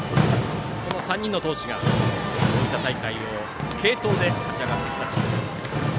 この３人の投手で大分大会、継投で勝ち上がってきたチームです。